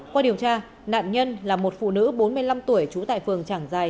qua điều tra nạn nhân là một phụ nữ bốn mươi năm tuổi trú tại phường trảng giài